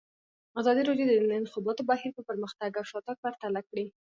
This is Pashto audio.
ازادي راډیو د د انتخاباتو بهیر پرمختګ او شاتګ پرتله کړی.